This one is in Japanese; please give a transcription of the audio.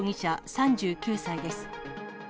３９歳です。